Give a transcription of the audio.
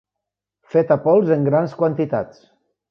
Feta pols en grans quantitats.